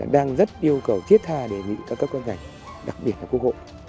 đang rất yêu cầu thiết thà đề nghị các cơ quan ngành đặc biệt là quốc hội